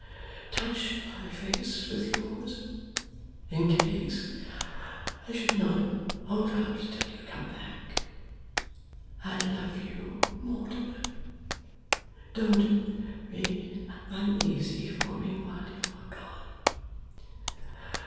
Touch my face with yours, in case I should not hold out till you come back. I love you, Mortimer. Don't be uneasy for me while you are gone.